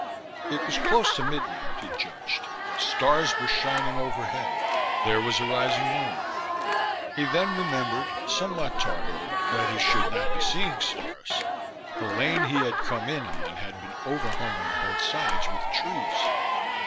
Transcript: It was close to midnight, he judged. Stars were shining overhead; there was a rising moon. He then remembered, somewhat tardily, that he should not be seeing stars. The lane he had come in on had been overhung on both sides with trees.